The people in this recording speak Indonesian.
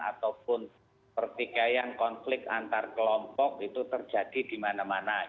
ataupun pertikaian konflik antar kelompok itu terjadi di mana mana